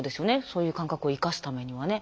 そういう感覚を生かすためにはね。